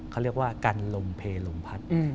เขาเรียกว่ากันลมเพลลมพัด